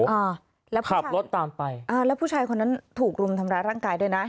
อ่าแล้วขับรถตามไปอ่าแล้วผู้ชายคนนั้นถูกรุมทำร้ายร่างกายด้วยนะ